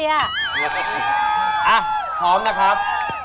อ่ะพร้อมนะครับ